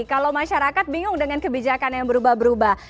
kalau masyarakat bingung dengan kebijakan yang berubah berubah